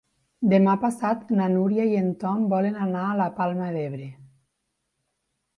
Demà passat na Núria i en Tom volen anar a la Palma d'Ebre.